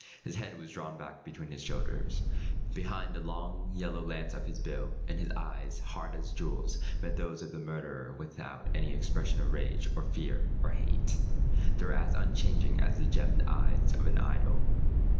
His head was drawn back between his shoulders, behind the long yellow lance of his bill, and his eyes, hard as jewels, met those of the murderer without any expression of rage or fear or hate. They were as unchanging as the gemmed eyes of an idol.